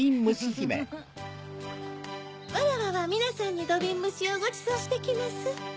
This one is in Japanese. わらわはみなさんにどびんむしをごちそうしてきます。